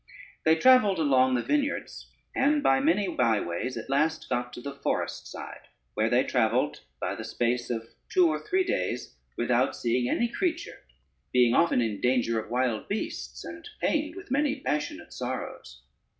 They travelled along the vineyards, and by many by ways at last got to the forest side, where they travelled by the space of two or three days without seeing any creature, being often in danger of wild beasts, and pained with many passionate sorrows.